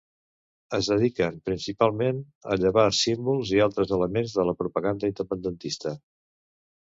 Es dediquen principalment a llevar símbols i altres elements de la propaganda independentista.